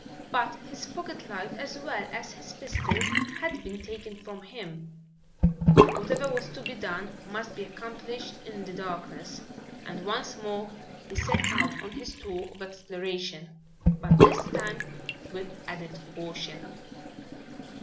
But his pocket light as well as his pistol had been taken from him. Whatever was to be done, must be accomplished in the darkness, and once more he set out on his tour of exploration, but this time with added caution.